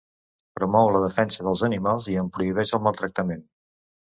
Promou la defensa dels animals i en prohibeix el maltractament.